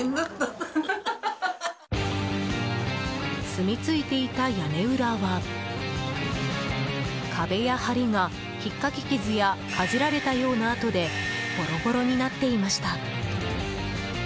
すみついていた屋根裏は壁や梁が、ひっかき傷やかじられたような跡でボロボロになっていました。